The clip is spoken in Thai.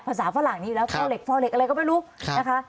ภาษาฝรั่งนี้อยู่แล้วเข้าเหล็กฟ่อเหล็กอะไรก็ไม่รู้นะคะ